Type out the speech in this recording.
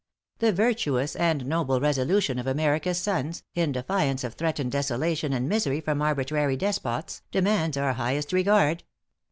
The virtuous and noble resolution of America's sons, in defiance of threatened desolation and misery from arbitrary despots, demands our highest regard.